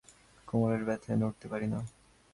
কোমরের ব্যথায় নড়তে পারি না।